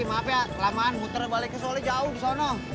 maaf ya kelamaan muter baliknya soalnya jauh di sana